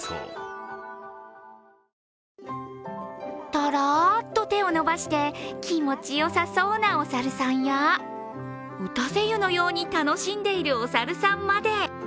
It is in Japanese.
だらーっと手を伸ばして気持ちよさそうなお猿さんや打たせ湯のように楽しんでいるお猿さんまで。